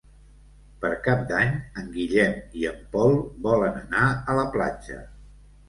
Per Cap d'Any en Guillem i en Pol volen anar a la platja.